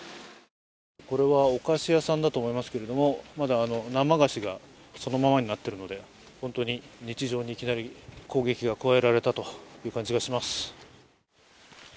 これはお菓子屋さんだと思うんですけれどもまだ生菓子がそのままになっているので、本当に日常にいきなり攻撃が加えられたという感じがします。